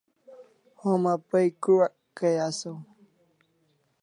Homa pay q'uak kai asaw